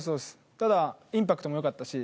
ただインパクトもよかったし。